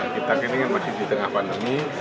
kita kini masih di tengah pandemi